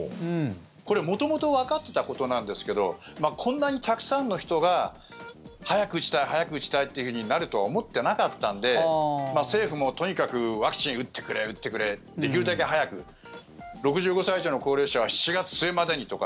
これ元々わかってたことなんですけどこんなにたくさんの人が早く打ちたい、早く打ちたいってなるとは思ってなかったんで政府も、とにかくワクチンを打ってくれ、打ってくれできるだけ早く６５歳以上の高齢者は７月末までにとか